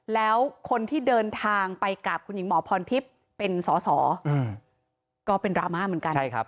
แล้วคนที่เดินทางไปกับคุณหญิงหมอพรทิพย์เป็นสอสอก็เป็นดราม่าเหมือนกัน